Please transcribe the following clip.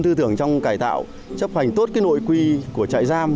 tư tưởng trong cải tạo chấp hành tốt cái nội quy của trại giam